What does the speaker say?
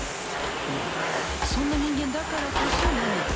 いやそんな人間だからこそ何かある。